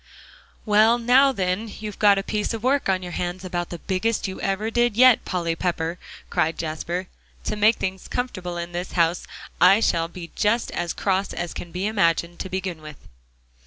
"Well, now then, you've a piece of work on your hands about the biggest you ever did yet, Polly Pepper!" cried Jasper, "to make things comfortable in this house. I shall be just as cross as can be imagined, to begin with."